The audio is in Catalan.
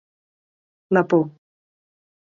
La por: